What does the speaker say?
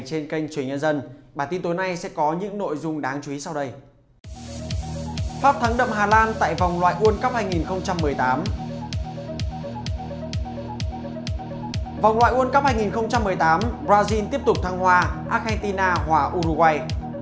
vòng loại world cup hai nghìn một mươi tám brazil tiếp tục thăng hoa argentina hòa uruguay